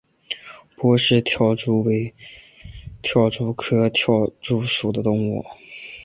波氏跳蛛为跳蛛科跳蛛属的动物。